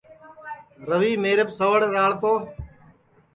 روی میریپ سوڑ راݪ تو